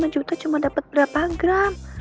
lima juta cuma dapat berapa gram